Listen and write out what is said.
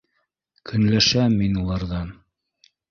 Көнләшәм мин уларҙан.